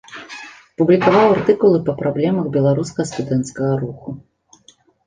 Публікаваў артыкулы па праблемах беларускага студэнцкага руху.